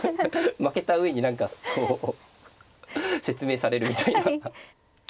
負けた上に何かこう説明されるみたいな。